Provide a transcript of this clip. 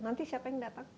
nanti siapa yang datang